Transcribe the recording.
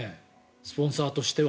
スポンサーとしては。